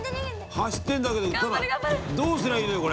走ってんだけどどうすりゃいいのよこれ！